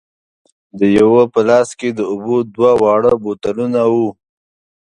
د یوه په لاس کې د اوبو دوه واړه بوتلونه وو.